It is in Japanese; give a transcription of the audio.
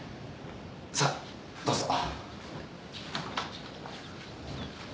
さあどうぞ。